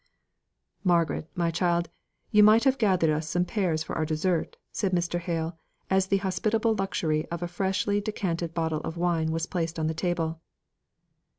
"Margaret, my child, you might have gathered us some pears for our dessert," said Mr. Hale, as the hospitable luxury of a freshly decanted bottle of wine was placed on the table.